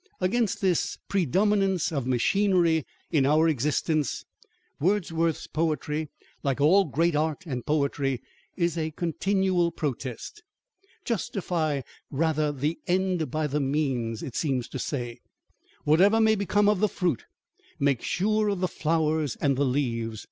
Against this predominance of machinery in our existence, Wordsworth's poetry, like all great art and poetry, is a continual protest. Justify rather the end by the means, it seems to say: whatever may become of the fruit, make sure of the flowers and the leaves.